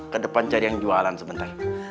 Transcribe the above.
ke depan cari yang jualan sebentar